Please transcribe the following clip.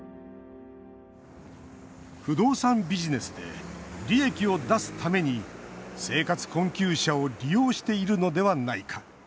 不動産ビジネスで利益を出すために生活困窮者を利用しているのではないか。